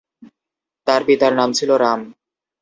তাঁর পিতার নাম ছিল রাম।